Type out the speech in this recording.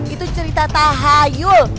itu cerita tahayul